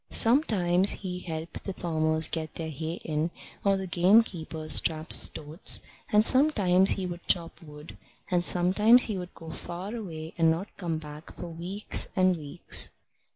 Sometimes he helped the farmers get their hay in, or the gamekeepers trap stoats, and sometimes he would chop wood, and sometimes he would go far away and not come back for weeks and weeks.